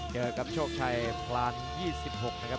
เจอกับโชคชัยพลาน๒๖นะครับ